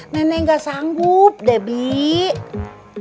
nenek ga sanggup debbie